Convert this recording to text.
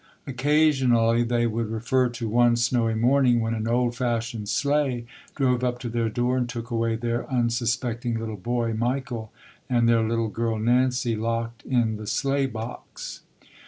Occasionally they would refer to one snowy morning when an old fashioned sleigh drove up to their door and took away their un suspecting little boy, Michael, and their little girl, Nancy, locked in the sleigh box.